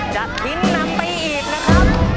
จะทิ้งนำไปอีกนะครับ